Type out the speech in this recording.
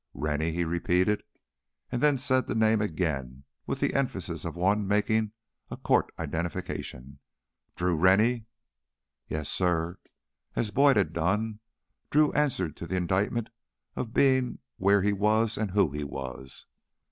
"Rennie," he repeated, and then said the name again with the emphasis of one making a court identification. "Drew Rennie!" "Yes, suh." As Boyd had done, Drew answered to the indictment of being where he was and who he was.